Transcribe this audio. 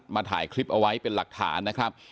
ถ่ายคลิปเอาไว้เป็นหลักฐานนะครับ